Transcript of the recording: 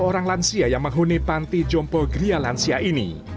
sepuluh orang lansia yang menghuni panti jompo gria lansia ini